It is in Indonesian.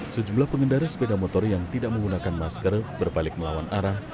sejumlah pengendara sepeda motor yang tidak menggunakan masker berbalik melawan arah